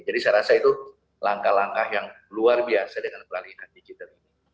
jadi saya rasa itu langkah langkah yang luar biasa dengan peralatan digital